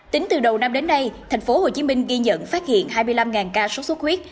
tính từ đầu năm đến nay tp hcm ghi nhận phát hiện hai mươi năm ca sốt xuất huyết